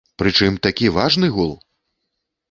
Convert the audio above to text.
Прычым такі важны гол!